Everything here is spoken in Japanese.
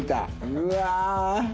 うわ。